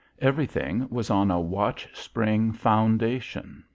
Everything was on a watch spring foundation.